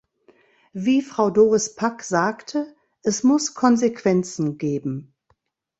Wie Frau Doris Pack sagte, es muss Konsequenzen geben.